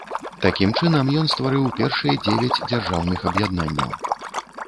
Такім чынам, ён стварыў першыя дзевяць дзяржаўных аб'яднанняў.